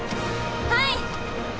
はい！